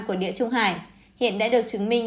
của địa trung hải hiện đã được chứng minh